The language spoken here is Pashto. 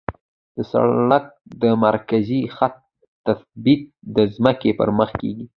د سړک د مرکزي خط تثبیت د ځمکې پر مخ کیږي